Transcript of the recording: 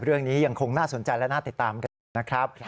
เรื่องนี้ยังคงน่าสนใจและน่าติดตามกันอยู่นะครับ